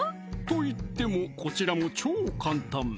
といってもこちらも超簡単！